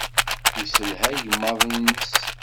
Yesselha igmaḍ-nnes.